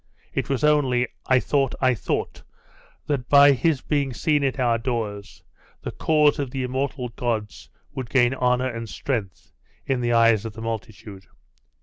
It was only I thought I thought that by his being seen at our doors, the cause of the immortal gods would gain honour and strength in the eyes of the multitude....